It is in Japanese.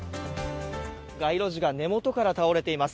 街路樹が根元から倒れています。